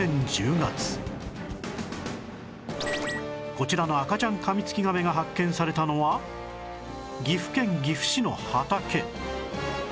こちらの赤ちゃんカミツキガメが発見されたのは岐阜県岐阜市の畑